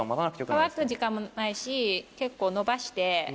乾く時間ないし結構伸ばして。